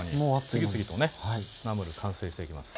次々とねナムル完成していきます。